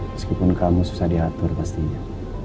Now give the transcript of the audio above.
meskipun kamu susah diatur pastinya